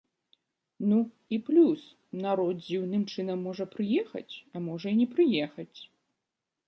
Ну, і плюс народ дзіўным чынам можа прыехаць, а можа і не прыехаць.